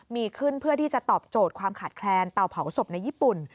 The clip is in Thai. มีขึ้นเพื่อที่จะตอบโจทย์ความขาดแคลนเตาเผาศพในญี่ปุ่น